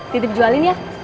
titip jualin ya